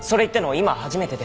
今初めてで。